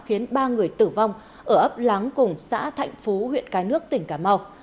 khiến ba người tử vong ở ấp láng cùng xã thạnh phú huyện cái nước tỉnh cà mau